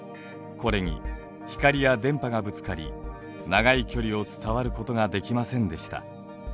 これに光や電波がぶつかり長い距離を伝わることができませんでした。